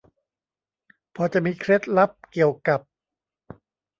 พอจะมีเคล็ดลับเกี่ยวกับ